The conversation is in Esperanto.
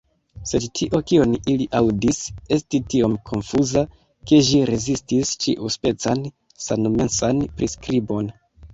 Sed tio, kion ili aŭdis, estis tiom konfuza, ke ĝi rezistis ĉiuspecan sanmensan priskribon.